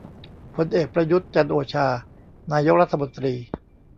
พลเอก ประยุทธ์ จันทร์โอชา นายกรัฐมนตรี